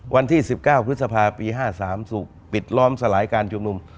วันที่๑๙พฤษภาปี๕๓ถูกปิดล้อมสลายการชุมนุม